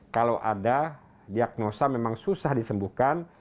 kalau ada diagnosa memang susah disembuhkan